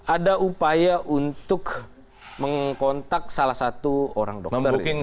ada upaya untuk mengkontak salah satu orang dokter